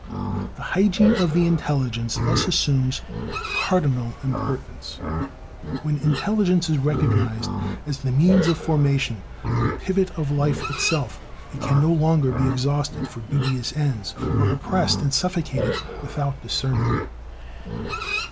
The hygiene of the intelligence thus assumes cardinal importance. When intelligence is recognized as the means of formation, the pivot of life itself, it can no longer be exhausted for dubious ends, or oppressed and suffocated without discernment.